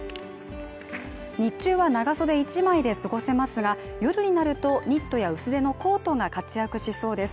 日中は長袖１枚で過ごせますが夜になるとニットや薄手のコートが活躍しそうです